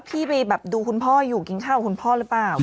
พี่ไปแบบดูคุณพ่ออยู่กินข้าวกับคุณพ่อหรือเปล่า